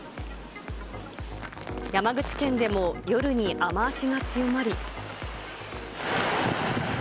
山口県でも夜に雨足が強まり。